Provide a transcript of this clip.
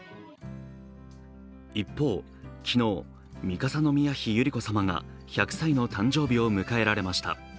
一方、昨日三笠宮妃百合子さまが１００歳の誕生日を迎えられました。